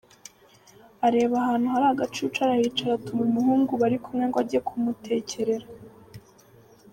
Areba ahantu hari agacucu arahicara atuma umuhungu bari kumwe ngo ajye kumutekerera.